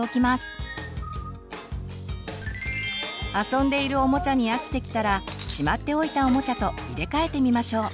遊んでいるおもちゃに飽きてきたらしまっておいたおもちゃと入れ替えてみましょう。